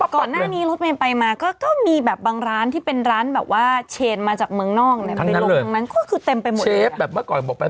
ก่อนหน้านี้รถเมมไปมาก็มีบางร้านที่เป็นร้านแบบว่าเชนมาจากเมืองนอก